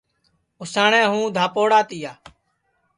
اُساٹؔے ہوں دھاپوڑا تیا